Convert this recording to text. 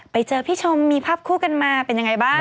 ไปเจอพี่ชมมีภาพคู่กันมาเป็นยังไงบ้าง